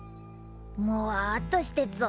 もわっとしてっぞ。